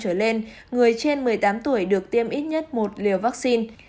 chỉ số năm tỉ lệ người trên một mươi tám tuổi được tiêm ít nhất một liều vaccine